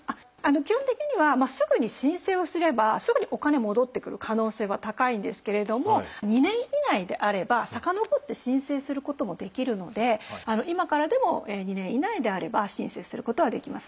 基本的にはすぐに申請をすればすぐにお金戻ってくる可能性は高いんですけれども２年以内であれば遡って申請することもできるので今からでも２年以内であれば申請することはできます。